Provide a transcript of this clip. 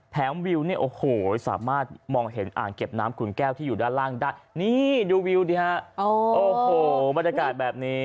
วิวเนี่ยโอ้โหสามารถมองเห็นอ่างเก็บน้ำขุนแก้วที่อยู่ด้านล่างได้นี่ดูวิวดิฮะโอ้โหบรรยากาศแบบนี้